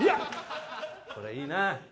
これいいな！